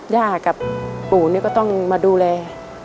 ย่ากับปู่นี่ก็ต้องมาดูแล